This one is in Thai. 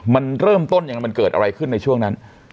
มันเริ่มต้นยังไงมันเกิดอะไรขึ้นในช่วงนั้น